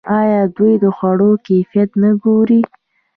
آیا دوی د خوړو کیفیت نه ګوري؟